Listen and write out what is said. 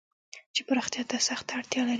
چې پراختيا ته سخته اړتيا لري.